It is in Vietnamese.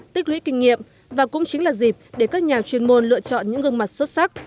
tích lũy kinh nghiệm và cũng chính là dịp để các nhà chuyên môn lựa chọn những gương mặt xuất sắc